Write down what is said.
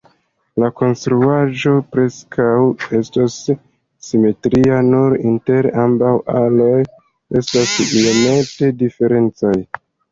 La konstruaĵo preskaŭ estas simetria, nur inter ambaŭ aloj estas iomete diferencoj.